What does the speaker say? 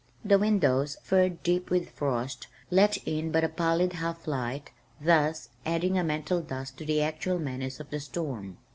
The windows, furred deep with frost, let in but a pallid half light, thus adding a mental dusk to the actual menace of the storm.